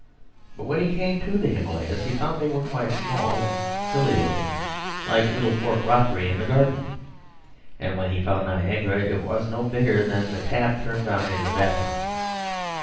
But when he came to the Himalayas, he found they were quite small and silly looking, like the little cork rockery in the garden; and when he found Niagara it was no bigger than the tap turned on in the bathroom.